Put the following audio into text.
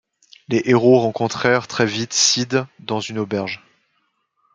Les héros rencontrent très vite Cid dans une auberge.